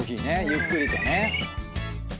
ゆっくりとね。